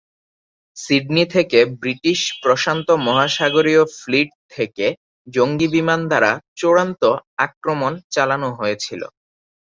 Sydney থেকে British প্রশান্ত মহাসাগরীয় ফ্লিট থেকে জঙ্গী বিমান দ্বারা চূড়ান্ত আক্রমণ চালানো হয়েছিল।